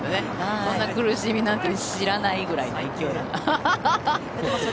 そんな苦しみなんていらないという勢いで。